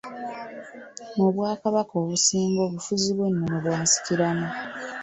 Mu bwakababaka obusinga obufuzi bw'ennono bwa nsikirano